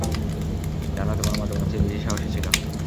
জানো, তোমার মা তোমার চেয়ে বেশি সাহসী ছিল।